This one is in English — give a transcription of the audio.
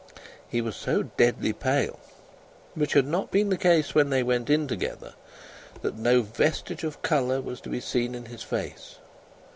He was so deadly pale which had not been the case when they went in together that no vestige of colour was to be seen in his face.